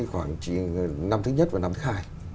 khoảng năm thứ nhất và năm thứ hai